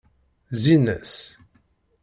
Zzin-as.